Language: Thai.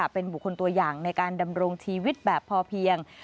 เป็นบุคคลตัวอย่างในการดำรงชีวิตแบบพอเพียง